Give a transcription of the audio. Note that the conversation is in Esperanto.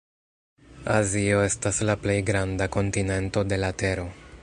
Azio estas la plej granda kontinento de la tero.